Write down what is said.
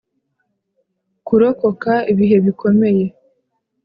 kurokoka ibihe bikomeye.